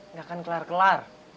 nggak akan kelar kelar